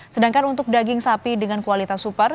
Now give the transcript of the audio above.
sedangkan untuk daging sapi dengan kualitas super